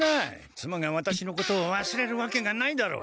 妻がワタシのことをわすれるわけがないだろう！